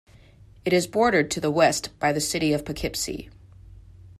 It is bordered to the west by the city of Poughkeepsie.